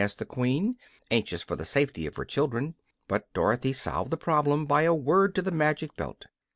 asked the Queen, anxious for the safety of her children. But Dorothy solved the problem by a word to the magic belt.